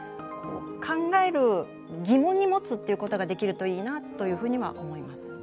考える疑問に持つってことができるといいなというふうには思います。